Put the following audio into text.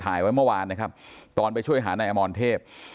ไว้เมื่อวานนะครับตอนไปช่วยหานายอมรเทพ